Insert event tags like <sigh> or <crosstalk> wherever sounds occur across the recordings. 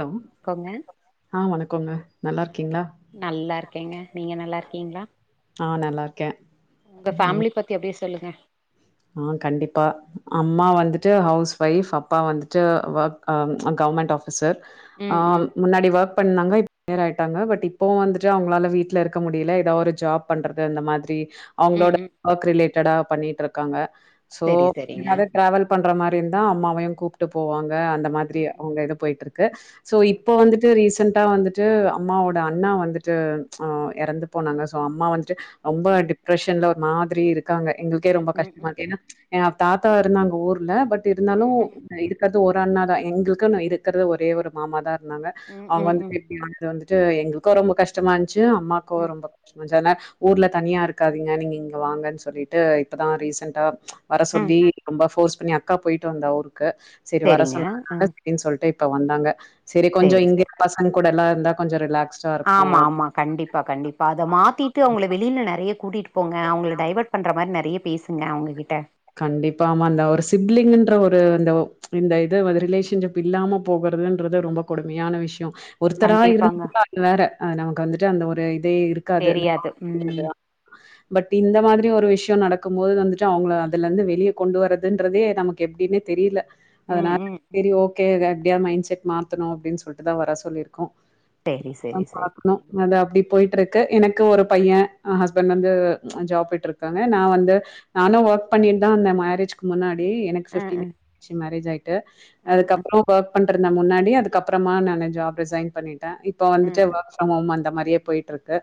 Hello கோங்க அ வணக்கோங்க நல்லா இருக்கீங்களா நல்லா இருகேங்க நீங்க நல்லா இருக்கீங்களா ஆ நல்லா இருக்கேன். உங்க ஃபேமிலி பத் எப்டி சொல்லுங்க அ கண்டிப்பா அம்மா வந்துட்டு ஹவுஸ் ஒய்ஃப் அப்பா வந்துட்டு ஒர்க் கவர்மெண்ட் ஆஃப் பிசர் ஆ ம் ம் முன்னாடி வர்க் பண்ணாங்க இப் ரிட்யர் ஆயிட்டாங்க பட் இப்போ வந்துட்டு அவங்களால வீட்டுல இருக்க முடியல ஏதா ஒரு ஜாப் பண்றது அந்த மாதிரி ம் அவங்களோட ம் ஒர்க் ரிலேட்டடா பண்ணிட்ருக்காங்க சோ செரி செரிங்க அது டிராவல் பண்ற மாரி இருந்தா அம்மாவையும் கூப்பிட்டு போவாங்க அந்த மாதிரி ம் அவங்க இது போயிட்டு இருக்கு சோ ம் இப்ப வந்துட்டு ரீசன்டா வந்து ட்டு அம்மாவோட அண்ணா வந்துட்டு அ இறந்து போனாங்க சோ அம்மா வந்துட்டு ரொம்ப ம் டிப்ரெஷன்ல ஒரு மாதிரி இருக்காங்க எங்களுக்கே ரொம்ப கஷ் ம் ம் என் தாத்தா இருந்தாங்க ஊர்ல பட் இருந்தாலு ம் ம் ம் க்குறது ஒரு அண்ணா தான் எங்களுக்குன்னு இருக்கிறது ஒரே ஒரு மாமா தான் இருந்தாங்க ம் அவங்க ம் ம் வந்துட்டு இப்டி ஆனது வந்து ட்டு எங்களுக்கும் ரொம்ப கஷ்டமா இருந்திச்சி அம்மாக்கும் ம் ரொம்ப கஷ்டமா இருந்திச்சசி ஆனா ஊர்ல தனியா இருக்காதீங்க நீங்க இங்க வாங்கன்னு சொல்லிட்டு இப்பதான் ரீசென்டா வர ம் சொல்லி ரொம்ப ஃபோர்ஸ் பண்ணி அக்கா போயிட்டு வந்தா ஊருக்கு சேரி வர செரிங்க சொன்ன னால ம் அப்படின்னு சொல்லிட்டு இப்ப வந்தாங்க சேரி செரி கொஞ்சம் இங்க செரி பசங்க கூடலா இருந்தா கொஞ்சம் ரிலாக்ஸ் ஆமா மா கண்டிப்பா கண்டிப்பா அத மாத்திட்டு அவங்கள வெளியில நறைய கூட்டிட்டு போங்க ஆ. அவங்கள டைவர்ட் பண்ணுற மாரி நறைய பேசுங்க அவங்ககிட்ட கண்டிப்பாமா அந்த ஒரு சிப்லிங்குன்ற ஒரு அந்த இந்த இது வந்து ரிலேஷன்ஷிப் இல்லாம போகறதுன்றது ரொம்ப கொடுமையான விஷ்யம் ஒருத்தரா கண்டிப்பாங்க இருந்து <unintelligible> அது வேற நமக்கு வந்துட்டு அந்த ஒரு இதே இருக்காது அந்த தெரியாது ம் பட் இந்த மாதிரி ஒரு விஷ்யம் நடக்கும் போது வந்துட்டு அவங்கள அதுல இருந்து வெளியே கொண்டு வரதுன்றதே நமக்கு எப்படின்னே தெரியல அதனா ம் ம் சேரி ஓகே வேற எப்படியாது மைண்ட் செட் மாத்தணும் அப்படின்னு சொல்லிட்டுதான் வர சொல்லிருக்கோம் செரி அ செரி செரி பாக்கணும் செரி அது அப்டி போயிட்டு இருக்கு எனக்கு ஒரு பையன் ஹஸ்பண்ட் வந்து ஜாப் போய்ட் இருக் காங்க நான் வந்து நானும் ஒர்க் பண்ணிட்டு தான் இருந்தேன் மேரேஜ் க்கு முன்னாடி எனக்கு ம் ஃபிஃப்டின் ம் இயர்ஸ் மேரேஜ் ஆயிட்டு ம் ம் அதுக்கபறோ ஒர்க் பண்ண இருந்த முன்னாடி அதுக்கப்புறமா நான் ஜாப் ரிசைன் பண்ணிட்டே இப்ப வந்துட்டு ம் ம் ஒர்க் ஃபரம் ஹோம் அந்த மாரியே போயிட்டு இருக் கு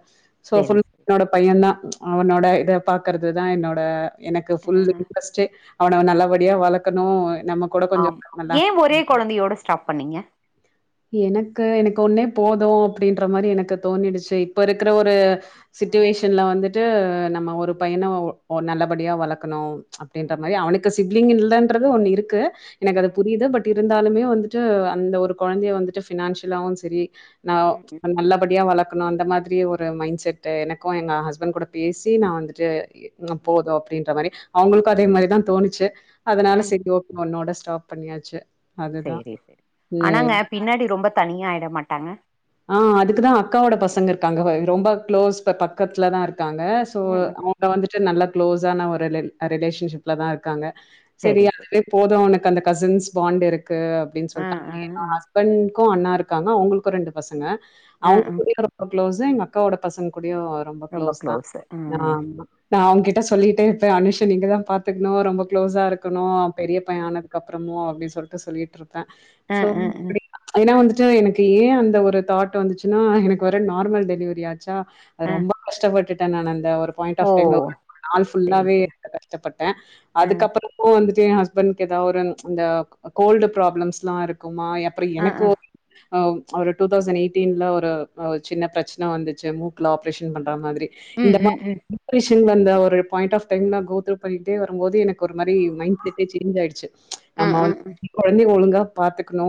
சோ செரி ஃபுல் செரி என்னோட பையன் தான் அவனோட இத பாக்குறது தான் என்னோட எனக் ஃபுல் ஆ இட்ரஸ்ட்டு அவன நல்லபடியா வளக்கணும் நம்ம கூட கொஞ்சம் ஆம் ஏன் நல்லா ஒரே குழந்தையோட ஸ்டாப் பண்ணீங்க <inaudible> எனக்கு எனக்கு ஒன்னே போதும் அப்டின்ற மாரி எனக்கு தோணிடுச்சு இப்ப இருக்கிற ஒரு ம் சிட்டிவேஷன்ல வந்துட்டு நம்ம ஒரு பையன நல்லபடியா வளக்கணு அப்டின்ற ம் மாரி ம் அவனுக்கு சிப்ளிங் இல்லன்றது ஒன்னு இருக்கு எனக்கு அது ம் புரியுது பட் இருந்தாலுமே வந்து ட்டு அந்த ஒரு கொழந்தய வந்துட்டு பினான்சியளாவு சரி ஆ ம் ம் நல்லா ப்டியா வளக்கணு அந்த மாரி ஒரு மைண்ட் செட் எனக்கு எங்க ஹஸ்பண்ட் கூட பேசி நா வந்துட்டு ம் போது அப்டின்ற மாரி அவுங்களுக்கு அதே மாரிதா தோணுச்சு அதனால ம் ஓ ஒன்னோட ஸ்டாப் பண்ணியாச்சு அதுதா. சேரி ஆனாங்க ம். பின்னாடி ரொம்ப தனியாயிட மாட்டாங்க ஆ அதுக்குதா அக்காவோட பசங்க இருக்காங்க ரொம்ப க்ளோஸ் பக்கத்துலதா இருக்காங்க சோ ம் ம் அவுங்க ம் வந்துட்டு நல்ல கு்ளோஸ் ஆன ஒரு ரிலேஷன்ஷிப்ல தா இருக்காங்க செரி சேரி சேரி அதுவே போது அவனுக்கு அந்த கசின்ஸ் பாண்ட்டு இருக்கு அப்டின்னு ஆ சொல்லிட்டாங் ஆ ஆ என்னோட ஹஸ்ப பண்ட்கு அண்ணா இருக்காங்க அவுங்களுக்கு ரெண்டு பசங்க ஆ ஆ அவுங்களு ரொம் க்ளோஸ் எங்க அக்காவோட பசங்க கூடயு ரொம்ப க்ளோஸ் தா க்ளோஸு ம் ஆமா நா அவங்க கிட்ட சொல்லிட்டே இருப்பே அனுஷ நீங்கதா பாத்துக்கணு ரொம்ப க்ளோஸா இருக்கணு பெரிய பையன் ஆனத்துக்கப்புரமு அப்டின்னு சொல்லிட்டு சொல்லிட்டுருப்பே ஆ ஆ ஆ ஏனா வந்துட்டு எனக்கு ஏ அந்த ஒரு தாட் வந்துச்சுன்னா எனக்கு வேற நார்மல் டெலிவரி ஆச்சா அது ஆ ரொம்ப கஷ்டப்பட்டுட்டே நானு அந்த ஒருப் பாயிண்ட் ஓ ஆப் டைம் நாள் செரி ஃபுல்லாவே செரி கஷ்டப்பட்டே ஆ அதுக்கப்பறோ இப்போ வந்துட்டு எ ஹஸ்பண்ட்க ஏதாவது ஒரு இந்த கோல்டு ப்ராப்ளம்ஸ் எல்லா இருக்குமா அப்பறோ ஆ எனக்கு ஆ ஆ அவரு டூ தௌசண்ட் எயிட்டீன்ல ஒரு சின்ன பிரச்சன வந்துச்சு மூக்ல ஆப்ரேஷன் பண்ற மாதிரி ம் இந்த மா ம் ம் ரிஷ வந்த ஒரு பாயிண்ட் ஆஃப் டைம்ல கோ த்ரூ பண்ணிகிட்டே வரும் போது எனக்கு ஒரு மாரி மைண் செட்டே சேஞ் ஆயிடுச்சு ஆ நம்ம ஆ வந்து ஆ கொழந்தய ஒழுங்கா பாத்துக்கணு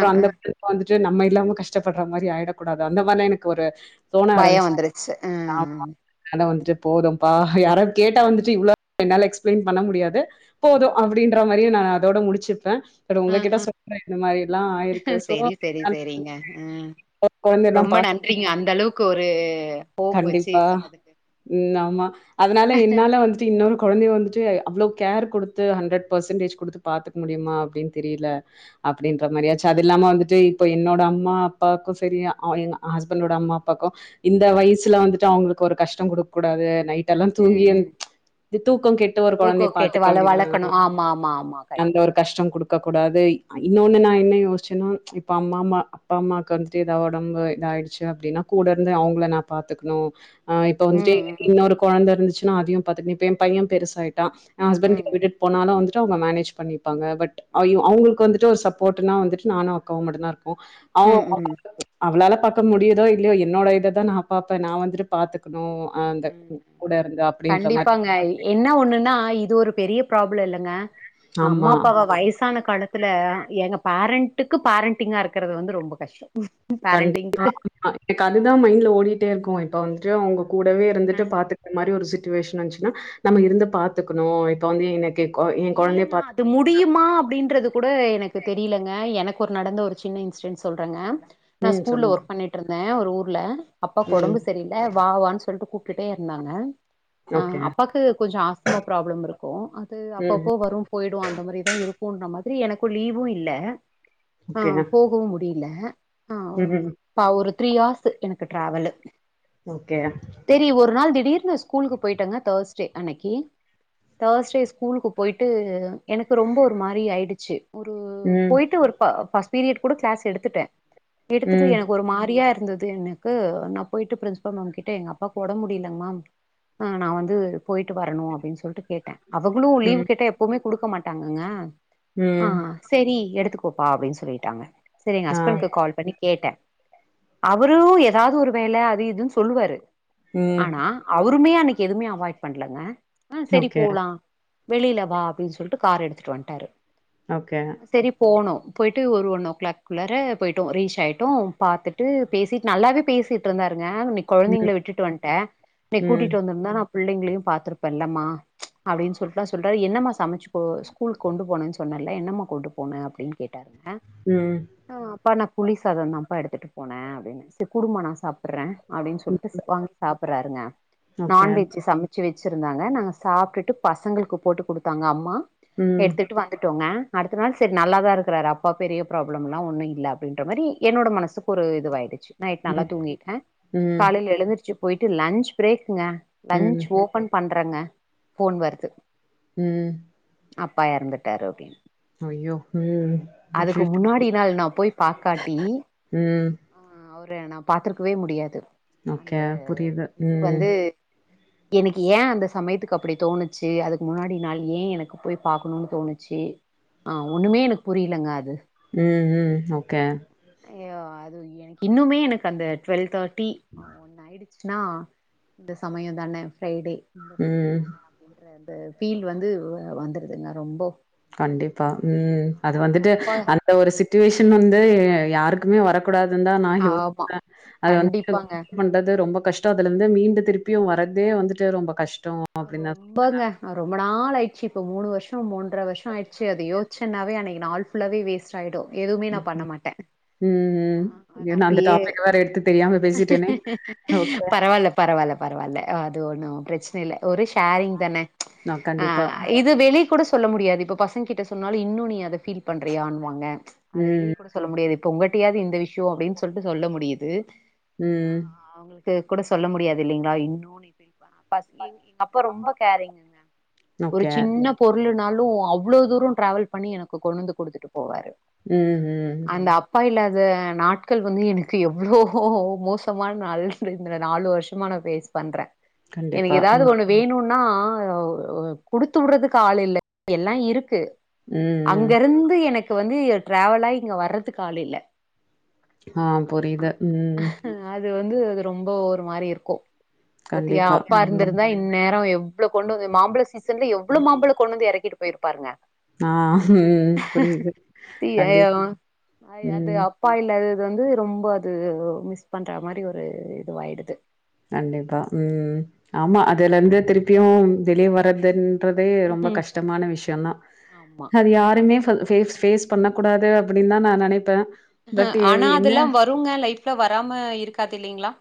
ஆ ஆ அந்த கொழந்த வந்துட்டு நம்ம இல்லாம கஷ்டப்படுற மாரி ஆயிடக் கூடாது அந்த மாதிரிலா எனக்கு ஒரு தோண பயோ ஆரம்பிச்சு வந்துருச்சு ஆ ஆமா அதனால ம் வந்துட்டு போதும்ப்பா யாரோ கேட்டா வந்துட்டு இவ்வளவு என்னால எக்ஸ்பிளைன் பண்ண முடியாது போது ம் அப்டின்ற மாரியு நா அதோட முடிச்சுருப்பே பெற ஆ உங்ககிட்ட ஆ சொல்றே இந்த மாரி எல்லா ஆயிருக்கு சோ உம் குழந்தையெல்லா ரொம்ப பாத்து நன்றிங்க அந்த அளவுக்கு ஒரு ஹோப் வச்சு கண்டிப்பா சொன்னதுக்கு உம் ஆமா அதனால என்னால வந்துட்டு இன்னோரு கொழந்தய வந்துட்டு அவ்ளவு கேர் குடுத்து ஹண்ட்ரட் பெர்சன்டேஜ் குடுத்து பாத்துக்க முடியுமா அப்டின்னு தெரியல அப்டின்ற மாரியாச்சு அது இல்லாம வந்துட்டு இப்ப என்னோட அம்மா அப்பாவுக்கும் சரி எ ஹஸ்பண்டோட அம்மா அப்பாக்கு இந்த வயச சில வந்துட்டு அவுங்களுக்கு ஒரு கஷ்டோ குடுக்க கூடாது நைட்டெல்லா ம் தூங்கி ம் தூக்க கெட் ட்டு ஒரு ஊக்கோ கொழந்தய கேட்டு பாத்துக்க வள வேண்டியதா வளக்கணு ஆமா ஆமா ஆமா அந்த கண்டிப்பா ஒரு கண்டிப்பா கஷ்டோ குடு கக்க கூடாது இன்னோன்னு நா என்னா யோசிச்சேன்னா இப்ப அம்மா அம்மா அப்பா அம்மாக்கு வந்துட்டு ஏதாவ ஒடம்பு இதாயடுச்சு அப்டின்னா கூட இருந்து அவுங்கள பாத்துக்கனு ஆ இப்ப வந்துட்டு ம் ம் இன்னோரு கொழந்த இருந்துச்சுனா அதயு பாத்துக்கோ இப்ப எ பைய பெருசா ஆய்ட்டா எ ஹஸ்பெண்டு கிட்ட ம் விட்டுட்டு போனாலு வந்துட்டு அவுங்க மேனேஜ் பண்ணி ப்பாங்க பட் ம் அவுங்களுக்கு வந்துட்டு ஒரு சப்போட்னா வந்துட்டு நானு அக்காவு மட்டுந்தா இரு அவ ம் ம் அவளால பாக்க முடியுதோ இல்லையோ என்னோட இததா நா பாப்பே நா வந்துட்டு பாத்துக்கணு அந்த ம் கூட இருந்தா அப்டின்ற மாரி கண்டிப்பாங்க என்ன ஒன்னுன்னா இது ஒரு பெரிய ப்ராப்ள இல்லங்க அம்மா ஆமா. அப்பாவ வயசான காலத்து இதுல எங்க பேரண்ட்டுக்கு பேரண்டிங்கா இருக்குறது வந்து ரொம்ப கஷ்டோ கண்டிப்பா பேரண்டிங்க்கு எனக்கு அதுதா மைண்ட்ல ஓடிட்டே இருக்கு இப்ப வந்துட்டு அவுங்க கூடவே இருந்துட்டு பாத்துட் டு இந்த மாரி ஒரு சிட்டு வேஷன் வந்துச்சுன்னா நம்ம இருந்து பாத்துக்கணு இப்ப வந்து எனக்கு கொ என் குழந்தைய இல்லங்க பாத்துக்க அது முடியுமா அப்டின்றது கூட எனக்கு தெரியிலங்க எனக்கு ஒரு நடந்த ஒரு சின்ன இன்சிடென்ட் சொல்றங்க நான் ம். ஸ்கூல்ல சொல்லுங்க. ஒர்க் பண்ணிட் டிற்ந்தே ஒரு ஊர்ல அப்பாக்கு ம். ஒடம்பு சரியில்ல வாவான் சொல்ட்டு கூப்டுடே இருந்தாங்க ஆ ஓகே. அப்பாக்கு கொஞ்சோ ஆஸ்துமா ப்ராப்ளம் இருக்கு அது அப் ம். ப வரும் போயிடும் அந்த மாதிரிதான் இருக்கும்ன்ற மாதிரி எனக்கு லீவும் இல்ல ஆ போகவு முடியல ஆ உம் பா ஒரு த்ரீ ஹார்ஸ் எனக்கு டிராவலு ஓக்கே தேரி ஒரு நாள் திடீர்னு ஸ்கூலுக்கு போயிட்டங்க தேர்ஸ்டே அன்னைக்கி தேர்ஸ்டே ஸ்கூலுகுப் போயிட்டு எனக்கு ரொம்ப ஒரு மாரி ஆயிடுச்சு ஒரு ம். போயிட்டு ஒரு பர்ஸ்ட் பீரியட் கூட கிளாஸ் எடுத்துட்டேன எடுத்துட்டு ம். எனக் ஒரு மாரியா இருந்தது எனக்கு நா போயிட்டு பிரின்சபல் மேம் கிட்ட அப்பாக்கு உடம்பு முடியலங் மேம் ம் நா வந்து போயிட்டு வரணு அப்டின் சொல்ட்டு கேட்டே அவங்களு லீவு ம். கேட்ட எப்பவுமே குடுக்க மாட்டாங்கங்க ஆ ம் செரி எடுத்துக்கோப்பா அப்டின் சொல்லிட்டாங்க செரி எங்க ஆ. ஹஸ்பண்ட்கு கால் பண்ணி கேட்டே அவரு எதாவது ஒரு வேல அது இதுன்னு சொல்லுவாரு ம். ஆனா அவருமே அன்னைக்கு எதுவுமே அவாய்ட் பண்லங்க ஆ செரி ஓகே. போலா வெளிலவா அப்டின் சொல்ட்டு கார் எடுத்துட்டு வந்துட்டாரு ஓகே. செரி போணோ போய்ட்டு ஒரு ஒன் ஓ கிளாக் குள்ளாற போய்டோ ரீச் ஆயிட்டோ பாத்துட்டு பேசிட்டு நல்லாவே பேசிட்டு இருந்தாருங்க நீ ம். கொழந்தைங்கள விட்டுட்டு வன்ட்டே நீ ம். கூட்டிட்டு வந்துருந்தா நாப் பிள்ளைங்களையு பாத்துருப்பன்ல்லம்மா அப்டின் சொ ல்றாரு என்னம்மா சமைச்சு போ ஸ்கூலுக்கு கொண்டு போனன் சொன்னல என்னம்மா கொண்டு போண அப்டின் கேட்டாருங்க ம் ஆ அப்பா நா புளி சாதம்தாப்பா எடுத்துட்டு போனே அப்டின்ன செர் குடும்மா நா சாப்பறே அப்டின் சொல்ட்டு வாங்கி சாப்பறாருங்க ஓகே. நான்வெஜ் சம ச்சி வெச்சிருந்தாங்க நாங்க சாப்டுட்டு பசங்களுக்கு போட்டு குடுத்தாங்க அம்மா ம். எடுத்துட்டு வந் துட்டோங்க அடுத்த நாள் செரி நல்லாதா இருக்குறாரு அப்பா பெரிய பிராப்ளம்ல்லா ஒன்னு இல்ல அப்டின்ற மாரி என்னோட மனசுக் கு ஒரு இது வாயிடுச்சு நைட் நல்லா ம். தூங்கிட்டே ம். காலையில எழுந்திருச்சு போயிட்டு லன்ச் பிரேக்குங்க ம். லன்ச் ஓபன் பண்றங்க போன் வர்து ம் அப்பா இறந்துட்டாரு அப்டின் ஐயோ! ம். அதுக்கு ஷிட். முன்னாடி நாள் நா போய் பாக்காட்டி ம். ஆ அவர நா பாத்திருக்கவே முடியாது ஓகே. அந்த புரியுது. இது ம். வந்து எனக்கு ஏ அந்த சமயத்துக்கு அப்டி தோணிச்சி அதுக் கு முன்னாடி நாள் ஏ எனக்கு போய் பாக்கணுனு தோணுச்சு ஆ ஒண்ணுமே எனக்கு புரியலங்க அது உம் உம் ஓகே அய்யய்யோ அது எனக்கு இன்னுமே எனக்கு அந்த டுவெல் தேட்டி ஆ ஒன் ஆயிடிச் சுனா இந்த சமயந்தானே ஃப்ரைடே இந்த ம். சமயந்தானே அப்டின்ற அந்த பீல் வந்து வந்துடுதுங்க ரொம்போ கண்டிப்பா உம் அது வந்துட்டு அந்த ஒரு சுச்சுவேஷன் வந்து யாருக் குமே வரக்கூடாதுந்தா நா ஆமா யோசிப்ப அத வந்து கண்டிப்பாங்க பண்றது ரொம்ப கஷ் டோ அதுலந்து மீண்டு திருப்பியு வரதே வந்துட்டு ரொம்ப கஷ்டோ ஓ போங்க ரொம்ப நாள் ஆயிடுச்சு இப்போ மூனு வருஷோ மூன்ற வருஷோ ஆயிடுச்சு அத யோச்சனாவே அன்னைக்கு நாள்ஃப் ஃபுல்லாவே வேஸ்ட் ஆயிடு எதுமே நா பண்ண ம். மாட்ட அ ம். அத ஐயோ! நான் அந்த அப்டியே டாபிக் வேற எடுத்து தெரியாம பேசிட்டேனே. ஓகே. பரவால்ல பரவால்ல பரவால்ல அது ஒன்னு பிரச்சன இல்ல ஒரு ஷேரிங் தான நான் ஆ கண்டிப்பா. இது இது வெளி கூட சொல்ல முடியாது இப்ப பசங்கிட்ட சொன்னாலு இன்னு நீ அத ஃபீல் பண்றியானுவாங்க அத வெளிய ம். கூடஸ் சொல்ல முடியாது இப்போ உங்கிட்டயாவது இந்த விஷ்யோ அப்டின் சொல்ட்டு சொல்ல முடியுது ஆ ம். ஆ அவுங்குளுக் க்கு கூட சொல்ல முடியாது இல்லிங்களா இன்னூன் நீங்க ஃபீல் பணா பசிங் அப்ப ரொம்ப கேறிங்கங்க ஒரு ஓகே. சின்னப் பொருளுனாலு அவ்வளோ தூரோ டிரேவல் பண்ணி எனக்கு கொண்டு வந்து குடுத்துட்டு போவாரு ம் ம் அந்த அப்பா இல்லாத நாட்கள் வந்து எனக்கு எவ்வளவோ மோசமான நாள் இந்த நாலு வருஷமா நா ஃபேஸ் பண்ற கண்டிப்பா ம் ஒன்னு வேணுன்னா குடுத்து உடுறதுக்கு ஆள் இல்ல எல்லா இருக்கு ம், அங்க ம். இருந்து எனக்கு வந்து டிரவலாயி இங்க வர்றதுக்கு ஆள் இல்ல ஆ புரியுது ம் அது வந்து அது ரொம்போ ஒரு மாரி இருக்கு பத்தீயா கண்டிப்பா. அப்பா இருந்தது ம். இந்நேரே எவ்வளோ கொண்டு வந்து மாம்பழ சீசன்ல எவ்வளோ மாம்பழோ கொண்டு வந்து எறக்கிட்டு போயிருப்பாங்க ஆ ம் புரியுது தி- கண்டிப்பா அஹ் அது ம் அப்பா இல்லாதது வந்து ரொம்போ அது மிஸ் பண்ற மாரி ஒரு இதுவாயிடுது கண்டிப்பா ம் ஆமா அதுல இருந்து திருப்பியும் வெளிய வர்றதுன் ட்றதே ரொம்ப ம் கஷ்டமான விஷயோந்தா ஆமா அது யாருமே ஃபஸ் ஃபேஸ் ஃபேஸ் பண்ண கூடாது அப்டின் தா நா நெனைப்ப அ ஆ ஆனா அதெல்லாம் வருங்க லைஃப்ல வராம இருக்காது இல்லிங்களா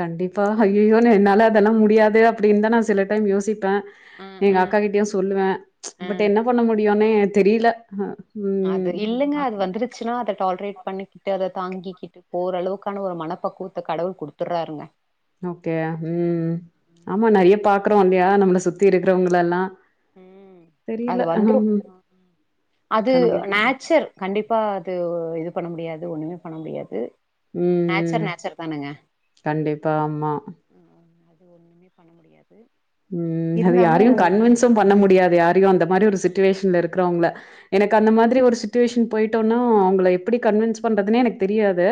கண்டிப்பா ஐயையோன்னு என்னால அதெல்லாம் முடியாது அப்டின் தா நா சில யோசிப் ப்ப ம் எங்க ம் அக்கா கிட்டயு சொல்லுவ பட் ம் என்ன பண்ண முடியுனே எனக் தெரில அ அது ம். இல்லங்க அது வந்துருச்சுன்னா அத டால்ரேட் பண்ணிக்கிட்டு அத தாங்கிக்கிட்டு இப் ஓரளவுக்கான ஒரு மனப்பக்குவத்த கடவுள் குடுத்துர்றாருங்க ஓகே ம் ம் ஆமா நறையா பாக்குறோ இல்லயா நம்மள சுத் தி இருக்குறவங்கள எல்லா ம் அது தெரில ஆம் வந்துரும் அது நேச்சர் கண்டிப்பாக அது இது பண்ண முடியாது ஒன்னுமே பண்ண முடியாது ம் ம் நேச்சர் நேச்சர் தானங்க கண்டிப்பா ஆமா ஒன்னுமே பண்ண முடியாது ம் அது இருந்தாலும் யாரையும் கன்வென்ஸும் பண்ண முடியாது யாரையு அந்த மாரி ஒரு சுட்டுவேஷன்ல இருக்குறவங்கள ம்ஹ்ம். எனக்கு அந்த மாதிரி ஒரு சுட்டுவேஷன் போயிட்டோன்னா அவங்கள எப்புடி கன்வென்ஸ் பண்றதுனே எனக் தெரியாது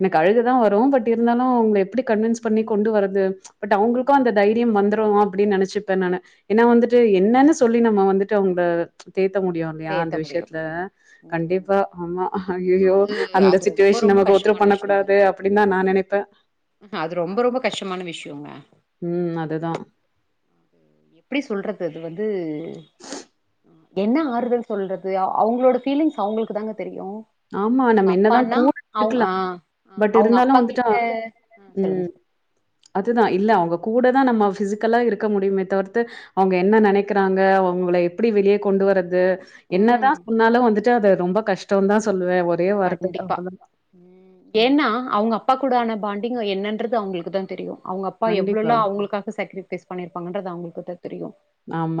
எனக்கு அழகுதா வரு பட் இருந்தாலு ம் அவுங்கள எப்புடி கன்வென்ஸ் பண்ணி கொண்டு வரது பட் ம் அவங்களுக்கு அந்த தைரியம் வந்துருவோ அப்டி நினைச்சுப்பேன் நானு எனா வந்துட்டு என்னன்னு சொல்லி நம்ம வந்துட்டு அவுந்த தேத்த முடியாது யா தேத்த அந்த முடியும் விஷயத்ல ம் ம் கண்டிப்பா ஆமா ஹய்யயோ அது அந்த அது ரொம்ப சிச்சுவேஷன் ரொம்ப நம்ம கோத்ரூ கஷ்டமான பண்ணக்கூடாத் தே அப்டின்தா நா நெனைப்ப ஆஹ அது ரொம்ப ரொம்ப கஷ்டமான விஷ்யோங்க ம். அதுதான். எப்டி சொல்றது அது வந்து அ என்ன ஆறு வல் சொல்றது அவங்களோட ஃபீலிங்ஸ் அவங்களுக்கு தாங்க தெரியு ஆமா. அவங்க நம்ம என்னதான் அப்பானா கூட அவங் ஆ இருக்கலாம். ஆ பட் அவுங் இருந்தாலும் அப்பா வந்துட்டு கிட்ட அ சொல்லுங்க சொல் அதுதா இல்ல அவங்க கூடதா நம்ம ஃபிசிக்கலா இருக்க முடியுமே தவுர்த்து அவுங்க என்ன நெனைக்கிறாங்க அவுங்க எப்புடி வெளிய கொண்டு வர்றது என்னதா ம் <inaudible> நாலு வந்துட்டு அது ரொம்ப கஷ்டோன்தா சொல்லுவே ஒர் கண்டிப்பா உம் ஏன்னா அவங்க அப்பா கூடான பாண்டிங்கு என்னன்றது அவங்களுக்குதா தெரியு அவங்க அப்பா எவ்வளவுல்ல கண்டிப்பா. அவங்கப்பா எவ்ளோலா அவுங்களுக்காக சேக்ரிஃபைஸ் பண்ணிருப்பாங்கன்றது அவளுக்குதா தெரியு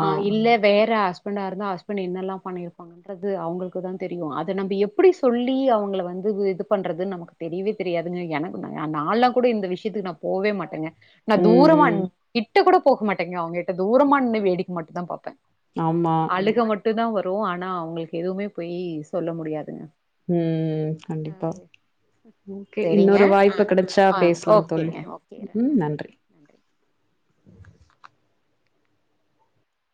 ஆ இல்ல வேற ஆஸ் பண்டா இருந்தா அஸ்பண்ட்டு என்னல்லா பண்ணிருப்பாங்கங்றது அவங்களுக்குதா தெரியு அத நம்ம எப்டிஸ் சொல்லி அவங்கள வந்து இது பண்றது நமக்கு தெரியவே தெரியாதுனு எனக்குதாங்க நால்லா கூட இந்த விஷயத்துக்கு நா போவே மாட்டங்க நா ம், தூரமான் ம். கிட்ட கூட போக மாட்டங்க அவங்ககிட்ட தூரமா நின்னு வேடிக்க மட்டுதா பாப்பே ஆமா அழுக மட்டுந்தா வரு ஆனா அவங்களுக்கு எதுவுமே போயி சொல்ல முடியாதுங்க உம் தாயே செரிங்க இன்னொரு வாய்ப்பு கிடைச்சா ஆ பேசலாம் தோழி. ஓகேங்க ஓகே நன்றி